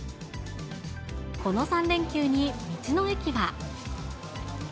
この３連休に道の駅は。